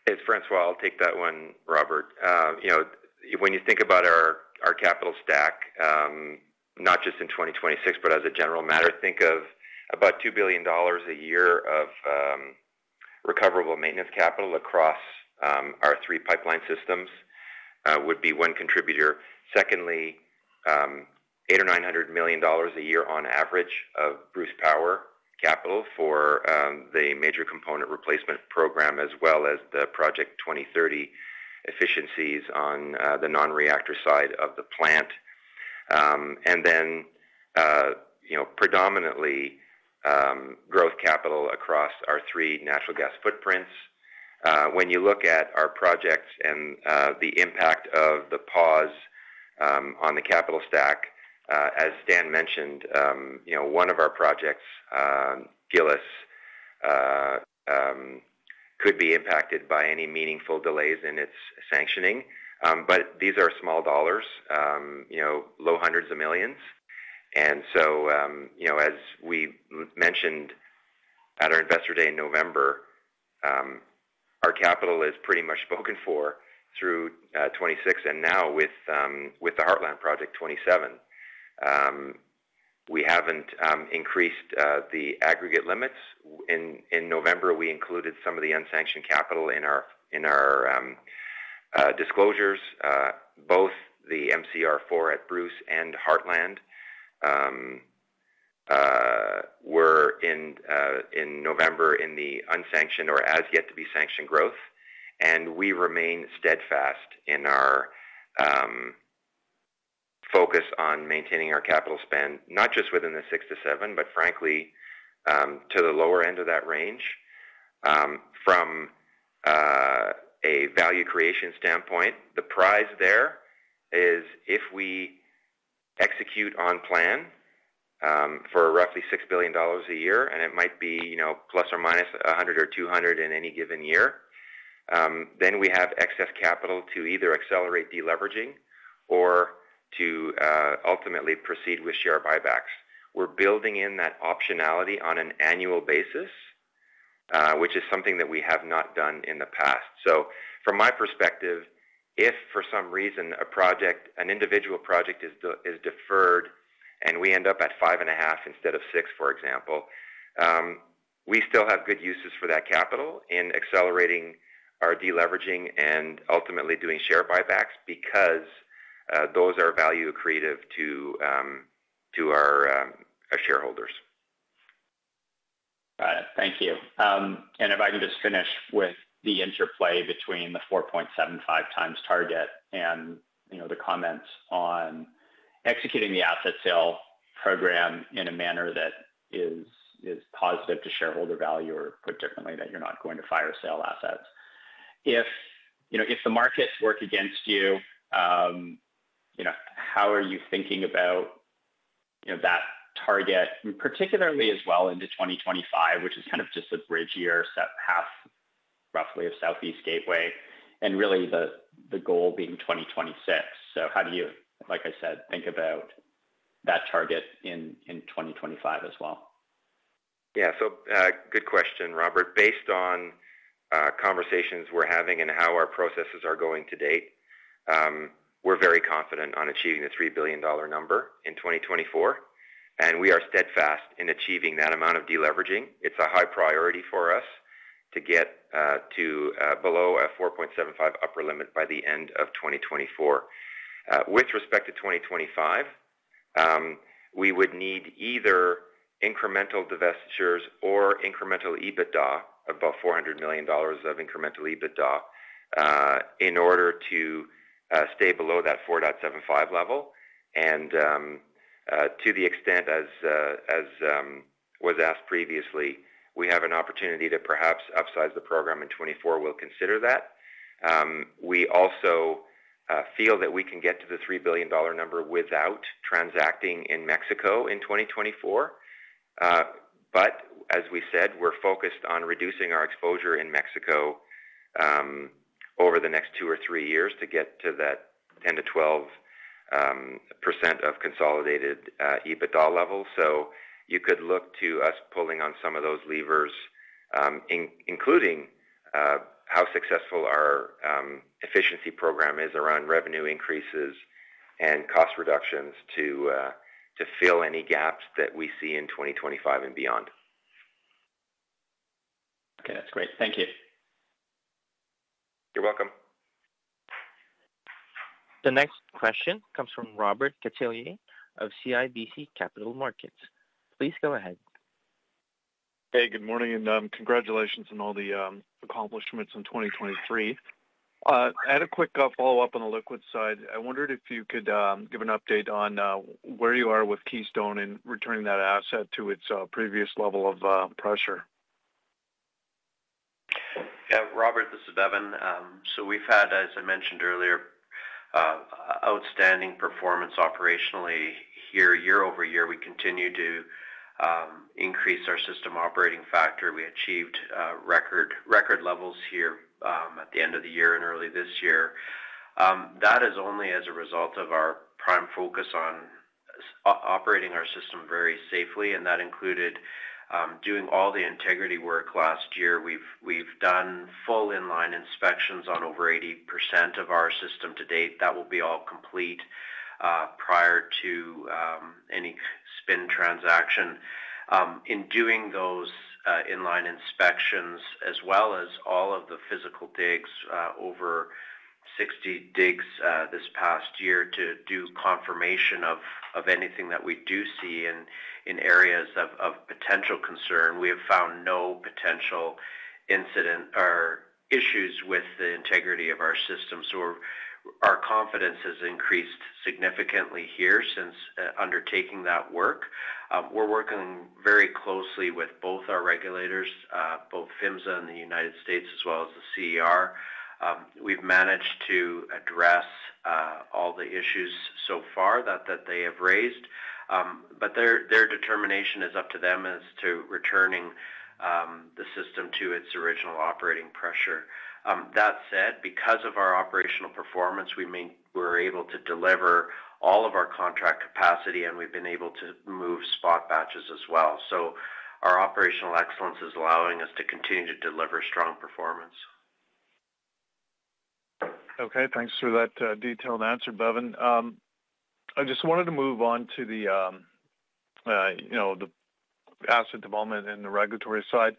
S3: It's François. I'll take that one, Robert. When you think about our capital stack, not just in 2026, but as a general matter, think of about $2 billion a year of recoverable maintenance capital across our three pipeline systems would be one contributor. Secondly, $800 or $900 million a year on average of Bruce Power capital for the major component replacement program, as well as the Project 2030 efficiencies on the non-reactor side of the plant. And then predominantly growth capital across our three natural gas footprints. When you look at our projects and the impact of the pause on the capital stack, as Stan mentioned, one of our projects, Gillis, could be impacted by any meaningful delays in its sanctioning. But these are small dollars, low hundreds of millions. As we mentioned at our Investor Day in November, our capital is pretty much spoken for through 2026 and now with the Heartland Project 2027. We haven't increased the aggregate limits. In November, we included some of the unsanctioned capital in our disclosures. Both the MCR4 at Bruce and Heartland were in November in the unsanctioned or as-yet-to-be-sanctioned growth. We remain steadfast in our focus on maintaining our capital spend, not just within the 6-7, but frankly, to the lower end of that range. From a value creation standpoint, the prize there is if we execute on plan for roughly 6 billion dollars a year, and it might be ±100 or 200 in any given year, then we have excess capital to either accelerate deleveraging or to ultimately proceed with share buybacks. We're building in that optionality on an annual basis, which is something that we have not done in the past. So from my perspective, if for some reason an individual project is deferred and we end up at 5.5 instead of 6, for example, we still have good uses for that capital in accelerating our deleveraging and ultimately doing share buybacks because those are value creative to our shareholders.
S14: Got it. Thank you. And if I can just finish with the interplay between the 4.75 times target and the comments on executing the asset sale program in a manner that is positive to shareholder value or put differently, that you're not going to fire sale assets. If the markets work against you, how are you thinking about that target, particularly as well into 2025, which is kind of just a bridge year, half roughly of Southeast Gateway, and really the goal being 2026? So how do you, like I said, think about that target in 2025 as well?
S3: Yeah. So good question, Robert. Based on conversations we're having and how our processes are going to date, we're very confident on achieving the 3 billion dollar number in 2024. And we are steadfast in achieving that amount of deleveraging. It's a high priority for us to get to below a 4.75 upper limit by the end of 2024. With respect to 2025, we would need either incremental divestitures or incremental EBITDA, about 400 million dollars of incremental EBITDA, in order to stay below that 4.75 level. And to the extent, as was asked previously, we have an opportunity to perhaps upsize the program in 2024. We'll consider that. We also feel that we can get to the 3 billion dollar number without transacting in Mexico in 2024. But as we said, we're focused on reducing our exposure in Mexico over the next two or three years to get to that 10%-12% of consolidated EBITDA level. So you could look to us pulling on some of those levers, including how successful our efficiency program is around revenue increases and cost reductions to fill any gaps that we see in 2025 and beyond.
S14: Okay. That's great. Thank you.
S3: You're welcome.
S1: The next question comes from Robert Catellier of CIBC Capital Markets. Please go ahead.
S15: Hey. Good morning. Congratulations on all the accomplishments in 2023. At a quick follow-up on the liquids side, I wondered if you could give an update on where you are with Keystone in returning that asset to its previous level of pressure.
S7: Yeah. Robert, this is Bevin. So we've had, as I mentioned earlier, outstanding performance operationally here year-over-year. We continue to increase our system operating factor. We achieved record levels here at the end of the year and early this year. That is only as a result of our prime focus on operating our system very safely. And that included doing all the integrity work last year. We've done full inline inspections on over 80% of our system to date. That will be all complete prior to any spin transaction. In doing those inline inspections, as well as all of the physical digs, over 60 digs this past year to do confirmation of anything that we do see in areas of potential concern, we have found no potential incident or issues with the integrity of our system. So our confidence has increased significantly here since undertaking that work. We're working very closely with both our regulators, both PHMSA in the United States, as well as the CER. We've managed to address all the issues so far that they have raised. But their determination is up to them as to returning the system to its original operating pressure. That said, because of our operational performance, we were able to deliver all of our contract capacity, and we've been able to move spot batches as well. So our operational excellence is allowing us to continue to deliver strong performance.
S15: Okay. Thanks for that detailed answer, Bevin. I just wanted to move on to the asset development and the regulatory side,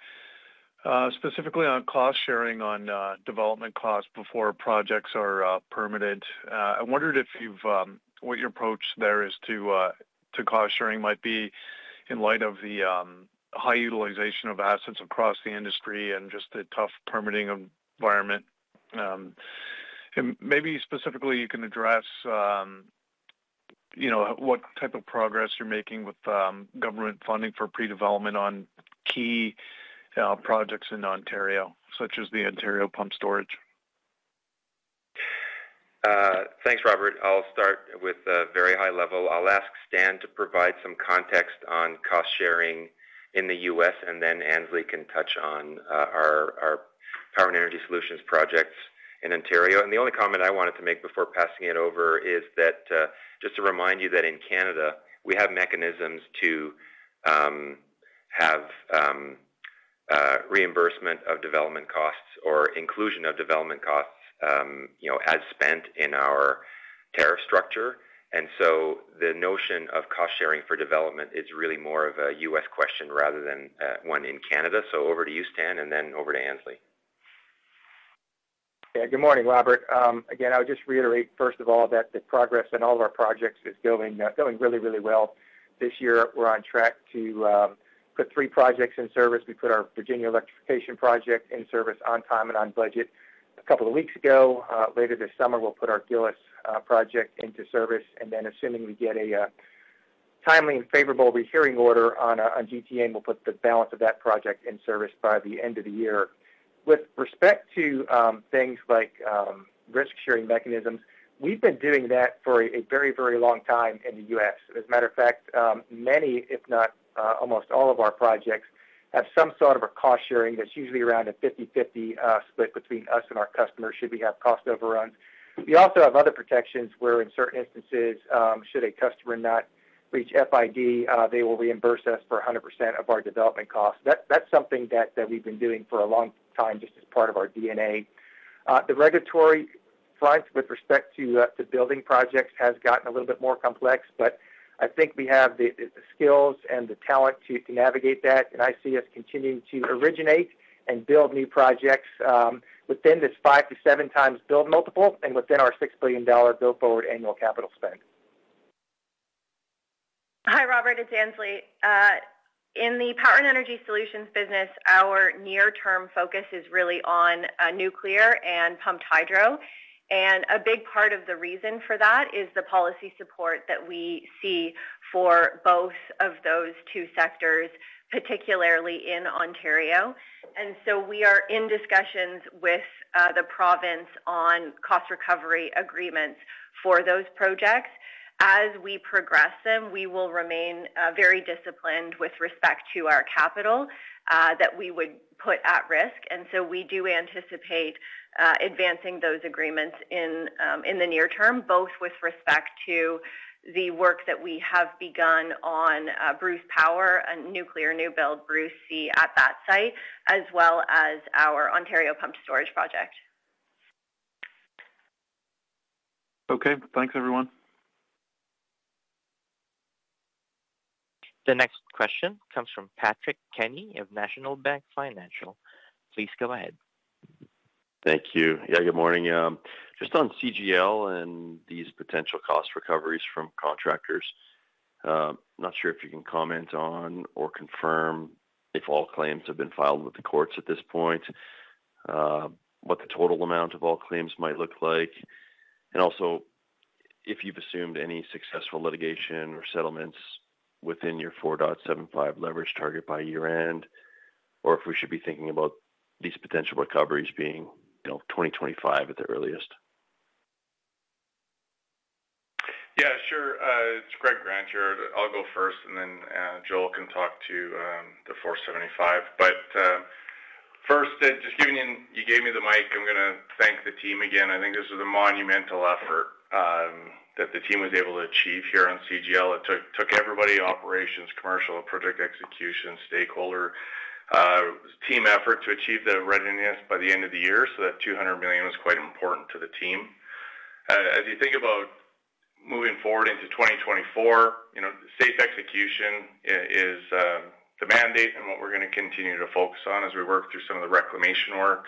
S15: specifically on cost sharing, on development costs before projects are permitted. I wondered what your approach there is to cost sharing might be in light of the high utilization of assets across the industry and just the tough permitting environment. And maybe specifically, you can address what type of progress you're making with government funding for pre-development on key projects in Ontario, such as the Ontario Pumped Storage.
S7: Thanks, Robert. I'll start with a very high level. I'll ask Stan to provide some context on cost sharing in the U.S., and then Annesley can touch on our Power and Energy Solutions projects in Ontario. And the only comment I wanted to make before passing it over is that just to remind you that in Canada, we have mechanisms to have reimbursement of development costs or inclusion of development costs as spent in our tariff structure. And so the notion of cost sharing for development is really more of a U.S. question rather than one in Canada. So over to you, Stan, and then over to Annesley.
S6: Yeah. Good morning, Robert. Again, I would just reiterate, first of all, that the progress in all of our projects is going really, really well. This year, we're on track to put 3 projects in service. We put our Virginia Electrification Project in service on time and on budget a couple of weeks ago. Later this summer, we'll put our Gillis project into service. And then assuming we get a timely and favorable rehearing order on GTN, we'll put the balance of that project in service by the end of the year. With respect to things like risk-sharing mechanisms, we've been doing that for a very, very long time in the U.S. As a matter of fact, many, if not almost all of our projects have some sort of a cost sharing. That's usually around a 50/50 split between us and our customers should we have cost overruns. We also have other protections where, in certain instances, should a customer not reach FID, they will reimburse us for 100% of our development costs. That's something that we've been doing for a long time just as part of our DNA. The regulatory front with respect to building projects has gotten a little bit more complex, but I think we have the skills and the talent to navigate that. I see us continuing to originate and build new projects within this 5-7 times build multiple and within our $6 billion build-forward annual capital spend.
S16: Hi, Robert. It's Annesley. In the Power and Energy Solutions business, our near-term focus is really on nuclear and pumped hydro. A big part of the reason for that is the policy support that we see for both of those two sectors, particularly in Ontario. We are in discussions with the province on cost recovery agreements for those projects. As we progress them, we will remain very disciplined with respect to our capital that we would put at risk. We do anticipate advancing those agreements in the near term, both with respect to the work that we have begun on Bruce Power, a nuclear new build Bruce C at that site, as well as our Ontario Pumped Storage project.
S15: Okay. Thanks, everyone.
S1: The next question comes from Patrick Kenny of National Bank Financial. Please go ahead.
S17: Thank you. Yeah. Good morning. Just on CGL and these potential cost recoveries from contractors, not sure if you can comment on or confirm if all claims have been filed with the courts at this point, what the total amount of all claims might look like, and also if you've assumed any successful litigation or settlements within your 4.75 leverage target by year-end, or if we should be thinking about these potential recoveries being 2025 at the earliest.
S18: Yeah. Sure. It's Greg Grant here. I'll go first, and then Joel can talk to the 4.75. But first, just giving you—you gave me the mic. I'm going to thank the team again. I think this is a monumental effort that the team was able to achieve here on CGL. It took everybody: operations, commercial, project execution, stakeholder, team effort to achieve the readiness by the end of the year. So that 200 million was quite important to the team. As you think about moving forward into 2024, safe execution is the mandate and what we're going to continue to focus on as we work through some of the reclamation work.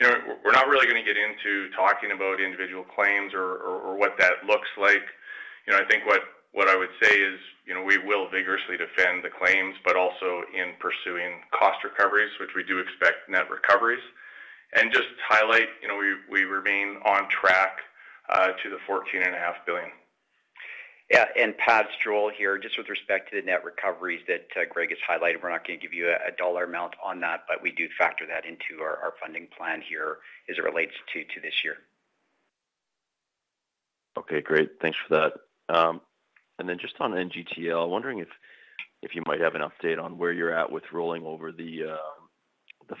S18: We're not really going to get into talking about individual claims or what that looks like. I think what I would say is we will vigorously defend the claims, but also in pursuing cost recoveries, which we do expect net recoveries, and just highlight we remain on track to the 14.5 billion.
S4: Yeah. Pat, it's Joel here. Just with respect to the net recoveries that Greg has highlighted, we're not going to give you a dollar amount on that, but we do factor that into our funding plan here as it relates to this year.
S17: Okay. Great. Thanks for that. Then just on NGTL, I'm wondering if you might have an update on where you're at with rolling over the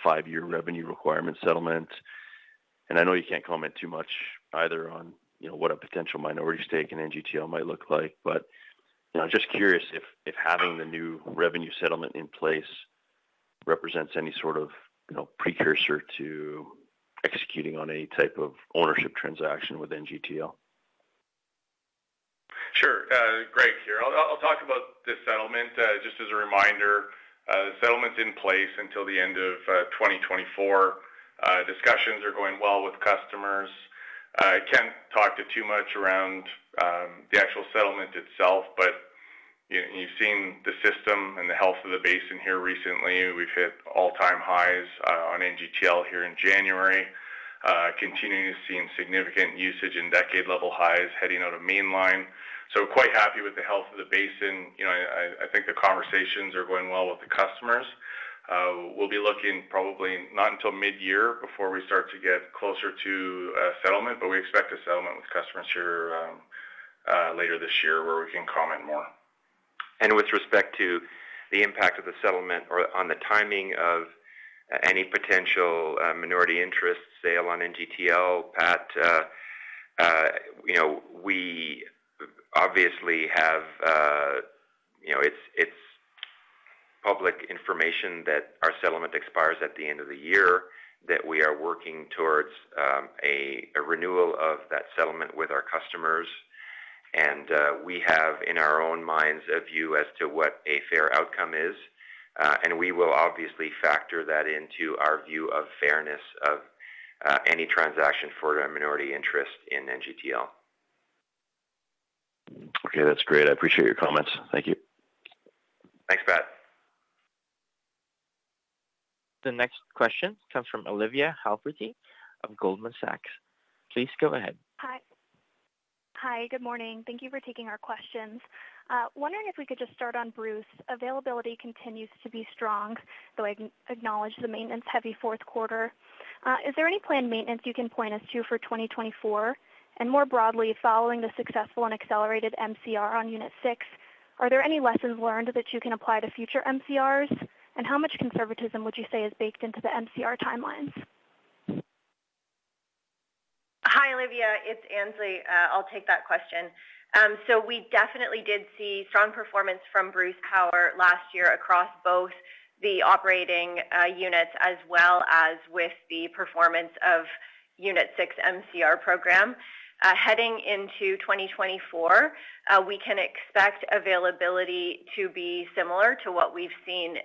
S17: five-year revenue requirement settlement. I know you can't comment too much either on what a potential minority stake in NGTL might look like, but just curious if having the new revenue settlement in place represents any sort of precursor to executing on any type of ownership transaction with NGTL.
S18: Sure. Greg here. I'll talk about this settlement just as a reminder. The settlement's in place until the end of 2024. Discussions are going well with customers. I can't talk too much around the actual settlement itself, but you've seen the system and the health of the basin here recently. We've hit all-time highs on NGTL here in January, continuing to see significant usage and decade-level highs heading out of Mainline. So quite happy with the health of the basin. I think the conversations are going well with the customers. We'll be looking probably not until midyear before we start to get closer to settlement, but we expect a settlement with customers here later this year where we can comment more. With respect to the impact of the settlement or on the timing of any potential minority interest sale on NGTL, Pat, we obviously have, it's public information that our settlement expires at the end of the year, that we are working towards a renewal of that settlement with our customers. We have in our own minds a view as to what a fair outcome is. We will obviously factor that into our view of fairness of any transaction for a minority interest in NGTL.
S17: Okay. That's great. I appreciate your comments. Thank you.
S18: Thanks, Pat.
S1: The next question comes from Olivia Halferty of Goldman Sachs. Please go ahead.
S19: Hi. Hi. Good morning. Thank you for taking our questions. Wondering if we could just start on Bruce. Availability continues to be strong, though I acknowledge the maintenance-heavy fourth quarter. Is there any planned maintenance you can point us to for 2024? And more broadly, following the successful and accelerated MCR on Unit 6, are there any lessons learned that you can apply to future MCRs? And how much conservatism would you say is baked into the MCR timelines?
S16: Hi, Olivia. It's Annesley. I'll take that question. So we definitely did see strong performance from Bruce Power last year across both the operating units as well as with the performance of Unit 6 MCR program. Heading into 2024, we can expect availability to be similar to what we've seen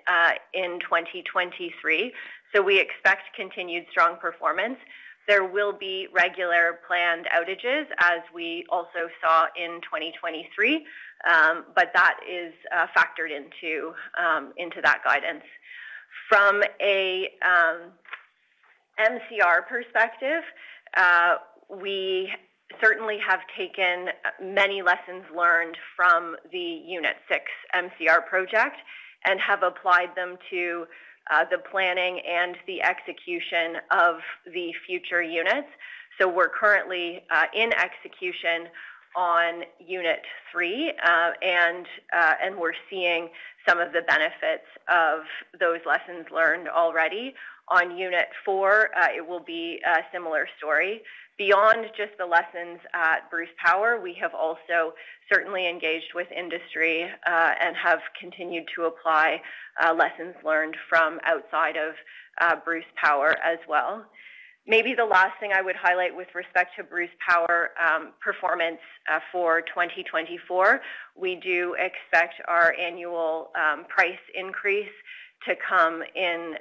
S16: in 2023. So we expect continued strong performance. There will be regular planned outages as we also saw in 2023, but that is factored into that guidance. From an MCR perspective, we certainly have taken many lessons learned from the Unit 6 MCR project and have applied them to the planning and the execution of the future units. So we're currently in execution on Unit 3, and we're seeing some of the benefits of those lessons learned already. On Unit 4, it will be a similar story. Beyond just the lessons at Bruce Power, we have also certainly engaged with industry and have continued to apply lessons learned from outside of Bruce Power as well. Maybe the last thing I would highlight with respect to Bruce Power performance for 2024. We do expect our annual price increase to come in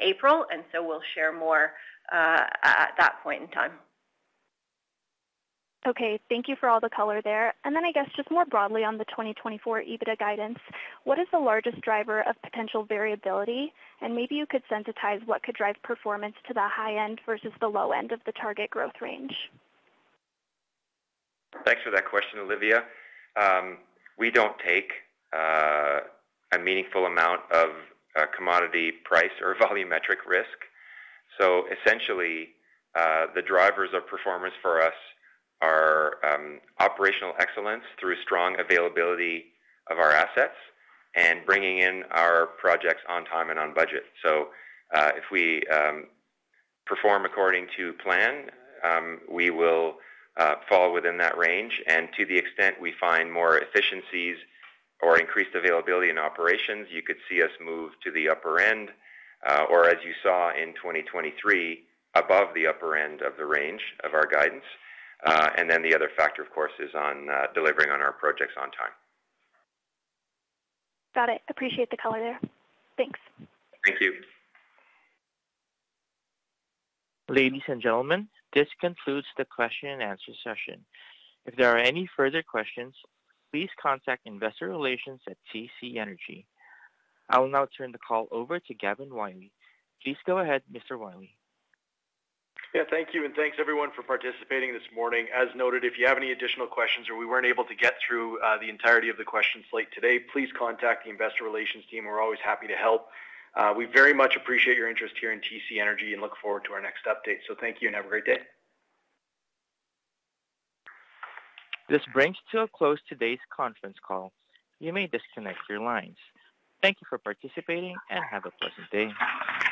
S16: April. And so we'll share more at that point in time.
S19: Okay. Thank you for all the color there. Then I guess just more broadly on the 2024 EBITDA guidance, what is the largest driver of potential variability? Maybe you could sensitize what could drive performance to the high end versus the low end of the target growth range.
S3: Thanks for that question, Olivia. We don't take a meaningful amount of commodity price or volumetric risk. So essentially, the drivers of performance for us are operational excellence through strong availability of our assets and bringing in our projects on time and on budget. So if we perform according to plan, we will fall within that range. And to the extent we find more efficiencies or increased availability in operations, you could see us move to the upper end or, as you saw in 2023, above the upper end of the range of our guidance. And then the other factor, of course, is delivering on our projects on time.
S19: Got it. Appreciate the color there. Thanks.
S3: Thank you.
S1: Ladies and gentlemen, this concludes the question-and-answer session. If there are any further questions, please contact investor relations at TC Energy. I will now turn the call over to Gavin Wylie. Please go ahead, Mr. Wylie.
S2: Yeah. Thank you. And thanks, everyone, for participating this morning. As noted, if you have any additional questions or we weren't able to get through the entirety of the question slate today, please contact the investor relations team. We're always happy to help. We very much appreciate your interest here in TC Energy and look forward to our next update. So thank you and have a great day.
S1: This brings to a close today's conference call. You may disconnect your lines. Thank you for participating and have a pleasant day.